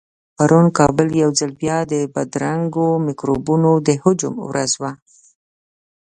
پرون کابل يو ځل بيا د بدرنګو مکروبونو د هجوم ورځ وه.